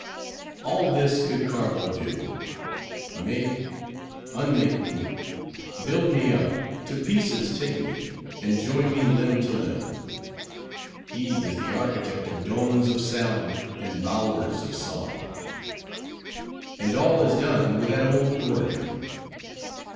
All this could Carlo do—make, unmake me; build me up; to pieces take me; and join me limb to limb. He is the architect of domes of sound, and bowers of song. And all is done with that old organ!